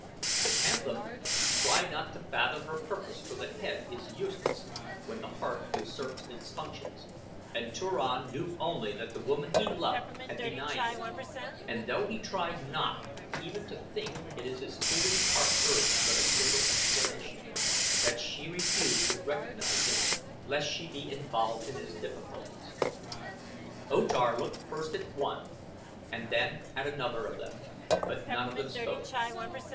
The panthan tried not to fathom her purpose for the head is useless when the heart usurps its functions, and Turan knew only that the woman he loved had denied him, and though he tried not even to think it his foolish heart urged but a single explanation that she refused to recognize him lest she be involved in his difficulties. O Tar looked first at one and then at another of them; but none of them spoke.